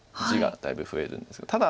地がだいぶ増えるんですが。